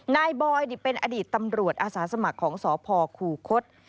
นายบอยเป็นอดีตตำรวจอาสาสมัครของสพคูคศ